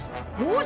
よし！